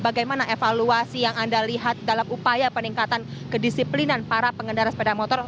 bagaimana evaluasi yang anda lihat dalam upaya peningkatan kedisiplinan para pengendara sepeda motor